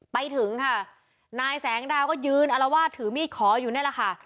ไปถึงค่ะนายแสงดาวก็ยืนอลวาดถือมีดขออยู่นี่แหละค่ะ